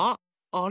あれ？